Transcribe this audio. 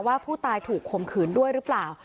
ว่าผู้ตายถูกข่มขืนด้วยหรือเปล่า